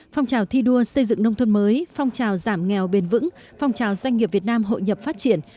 phong trào thi đua xây dựng nông thôn mới phong trào giảm nghèo bền vững phong trào doanh nghiệp việt nam hội nhập phát triển